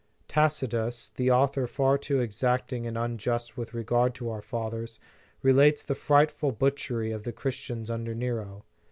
Tacitus, that author far too exacting and unjust with regard to our fathers, relates the frightful butchery of the Christians under Nero.